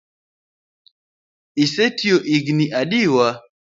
Ise tiyo igni adiwa?